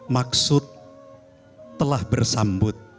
maksud telah bersambut